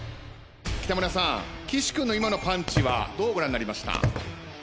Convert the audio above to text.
北村さん岸君の今のパンチはどうご覧になりました？